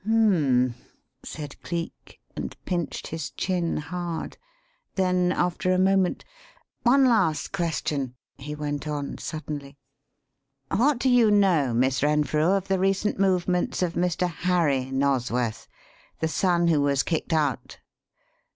"Hum m m!" said Cleek, and pinched his chin hard. Then, after a moment. "One last question," he went on suddenly. "What do you know, Miss Renfrew, of the recent movements of Mr. Harry Nosworth the son who was kicked out?"